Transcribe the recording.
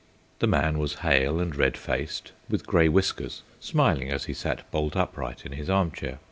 The man was hale and red faced, with grey whiskers, smiling as he sat bolt upright in his arm chair.